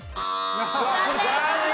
残念！